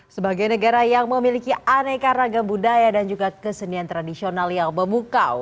sebagai negara yang memiliki aneka ragam budaya dan juga kesenian tradisional yang memukau